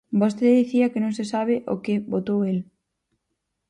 Vostede dicía que se non sabe o que votou el.